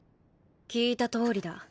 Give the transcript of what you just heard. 聞いたとおりだ